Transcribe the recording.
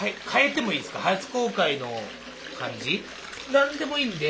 何でもいいんで。